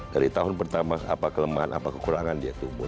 dari tahun pertama apa kelemahan apa kekurangan dia tumbuh